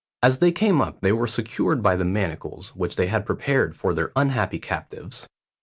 As they came up they were secured by the manacles which they had prepared for their unhappy captives.